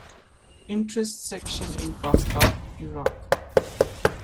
Interests Section in Baghdad, Iraq.